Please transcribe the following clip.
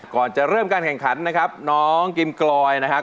ก่อนจะเริ่มการแข่งขันนะครับน้องกิมกลอยนะครับ